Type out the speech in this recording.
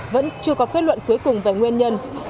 vẫn chưa có kết luận cuối cùng về nguyên nhân